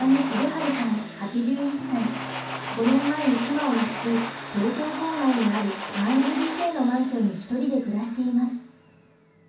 ５年前に妻を亡くし東京郊外にある３ＬＤＫのマンションに一人で暮らしています。